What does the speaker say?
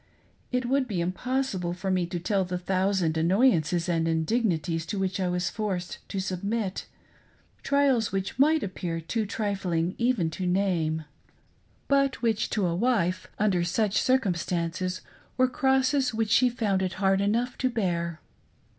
It would be impossible for me to tell the thousand annoyances and indignities to which I was forced to submit — trials which might appear too trifling even to nauie, but which 27 438 " IF MATTERS WERE REVERSED ?" to a wife, under such circumstances, were crosses which she found it hard enough to bear.